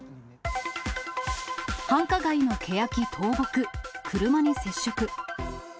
繁華街のケヤキ倒木、車に接触。